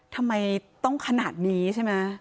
ทำไมต้องขนาดนี้ใช่ไหม